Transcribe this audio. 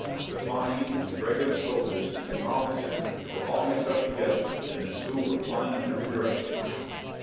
The Pawnees, the regular soldiers and the officers were all mixed up together, and the Sioux were flying in every direction.